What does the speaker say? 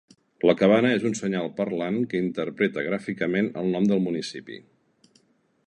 La cabana és un senyal parlant que interpreta gràficament el nom del municipi.